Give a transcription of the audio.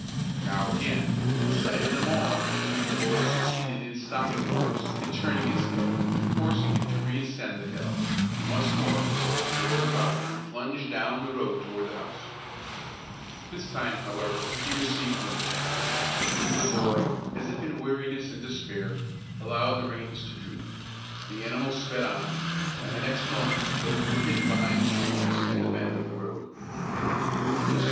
Now, again, in sight of them all, the boy succeeded in stopping the horse, in turning his head, and forcing him to reascend the hill; and once more the horse whirled about and plunged down the road toward the house. This time, however, he received no check. The boy, as if in weariness and despair, allowed the reins to droop. The animal sped on, and the next moment both were hidden behind the trees at the bend of the road. Mr.